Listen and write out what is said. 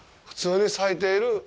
普通に咲いている。